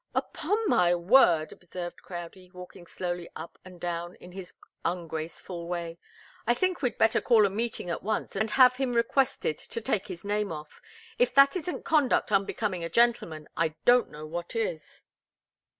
"Upon my word," observed Crowdie, walking slowly up and down in his ungraceful way, "I think we'd better call a meeting at once and have him requested to take his name off. If that isn't conduct unbecoming a gentleman, I don't know what is."